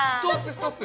ストップ！